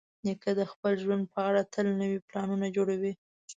نیکه د خپل ژوند په اړه تل نوي پلانونه جوړوي.